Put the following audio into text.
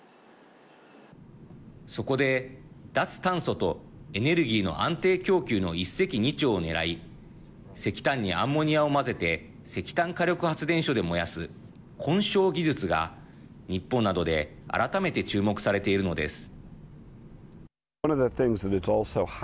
そこで脱炭素とエネルギーの安定供給の一石二鳥をねらい石炭にアンモニアを混ぜて石炭火力発電所で燃やす混焼技術が日本などで改めて注目されているのです。